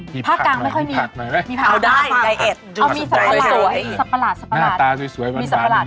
มีผักไหมไก่เอ็ดเสียงหน่าตาดูจะอย่างนี้หน้าตาสวยสวยบางพักหวาน